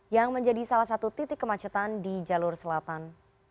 yang menjadi salah satu titik kemacetan di jalur selatan